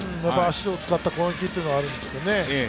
足を使った攻撃というのがありますけどね